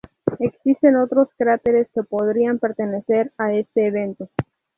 Existen otros cráteres que podrían pertenecer a este evento.